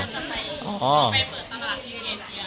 ถามว่าจะไปเปิดตำรักที่เอเชีย